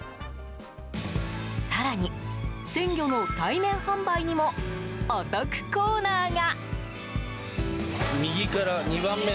更に、鮮魚の対面販売にもお得コーナーが。